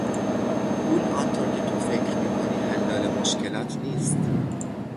پول آنطور که تو فکر میکنی حلال مشکلات نیست!